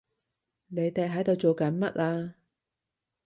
你哋喺度做緊乜啊？